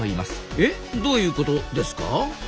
えどういうことですか？